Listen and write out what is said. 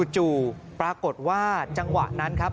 จู่ปรากฏว่าจังหวะนั้นครับ